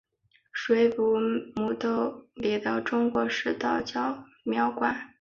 水碓斗母宫里的中国式道教庙观。